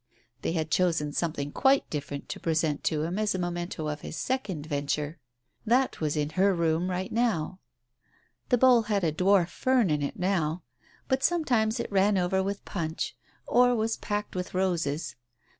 They had chosen something quite different to present to him as a memento of his second venture. That was in her room now. The bowl had a dwarf fern in it now, but sometimes it ran over with punch, or was packed with roses.